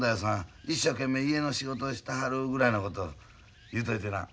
一生懸命家の仕事してはる」ぐらいのこと言うといてな。